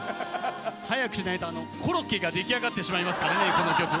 早くしないとコロッケが出来上がってしまいますからねこの曲。